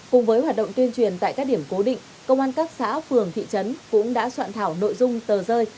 cùng với hoạt động tuyên truyền tại các điểm cố định công an các xã phường thị trấn cũng đã soạn thảo nội dung tờ rơi